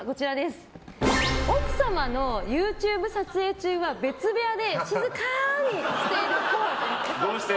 奥様のＹｏｕＴｕｂｅ撮影中は別部屋で静かにしているっぽい。